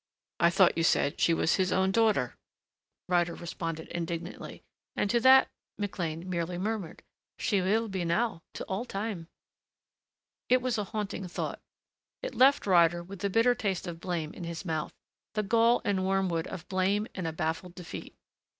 "I thought you said she was his own daughter," Ryder responded indignantly, and to that McLean merely murmured, "She will be now, to all time." It was a haunting thought. It left Ryder with the bitter taste of blame in his mouth, the gall and wormwood of blame and a baffled defeat.